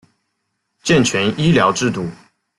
健全医疗制度